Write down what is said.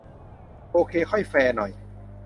โอเค ค่อยแฟร์หน่อย